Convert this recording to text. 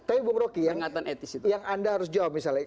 tapi bu meroki yang anda harus jawab misalnya